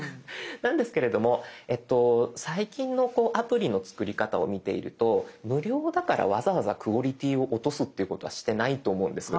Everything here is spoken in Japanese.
なんですけれども最近のアプリの作り方を見ていると無料だからわざわざクオリティーを落とすっていうことはしてないと思うんです。